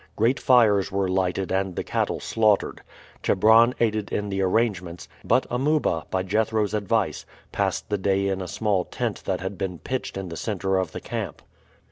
Great fires were lighted and the cattle slaughtered. Chebron aided in the arrangements; but Amuba, by Jethro's advice, passed the day in a small tent that had been pitched in the center of the camp.